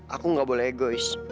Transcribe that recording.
aku nggak boleh egois